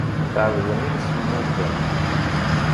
Tɛebdem imsemmuden.